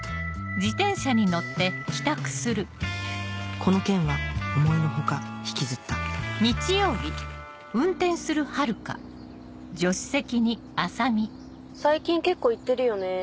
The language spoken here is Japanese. この件は思いの外引きずった最近結構行ってるよね